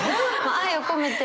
愛を込めて。